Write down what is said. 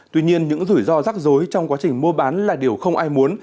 tuy nhiên những rủi ro rắc rối trong quá trình mua bán là điều không ai muốn